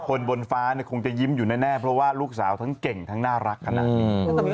บนฟ้าคงจะยิ้มอยู่แน่เพราะว่าลูกสาวทั้งเก่งทั้งน่ารักขนาดนี้